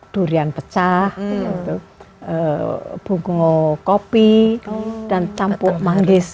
durian pecah bungku kopi dan campur manggis